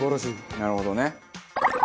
「なるほどね」